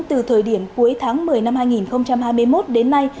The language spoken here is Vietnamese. từ thời điểm cuối tháng một mươi năm hai nghìn hai mươi một đến nay